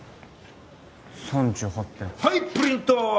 ３８点はいプリントー！